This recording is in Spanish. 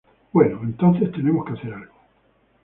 Bueno, entonces, tenemos que hacer algo.